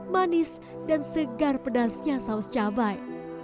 manis dan segar pedasnya saus cabai